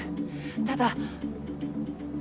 ただ。